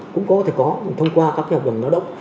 cũng có thể có thông qua các hợp đồng lao động